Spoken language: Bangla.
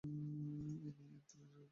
এ-নিয়ে এক ধরনের রাখঢাক ছিল।